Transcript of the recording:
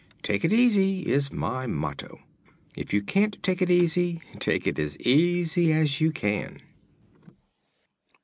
'Take it easy' is my motto. If you can't take it easy, take it as easy as you can."